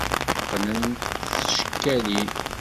Qqnen s tcekkalin.